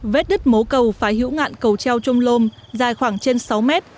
vết đứt mố cầu phải hữu ngạn cầu treo trôm lôm dài khoảng trên sáu mét